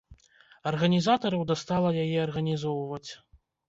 Арганізатараў дастала яе арганізоўваць.